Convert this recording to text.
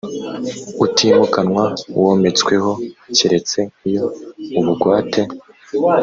utimukanwa wometsweho keretse iyo ubugwate